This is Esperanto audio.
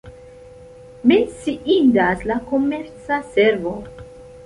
Menciindas la komerca servo.